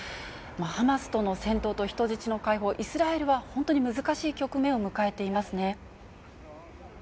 ハマスとの戦闘と人質の解放、イスラエルは本当に難しい局面を迎えていますね。